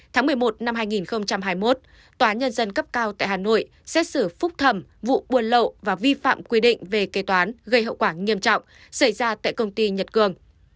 tháng một mươi một năm hai nghìn hai mươi một tòa nhân dân cấp cao tại hà nội xét xử phúc thẩm vụ buôn lậu và vi phạm quy định về kế toán gây hậu quả nghiêm trọng xảy ra tại công ty nhật cường